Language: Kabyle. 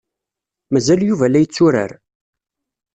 Mazal Yuba la yetturar?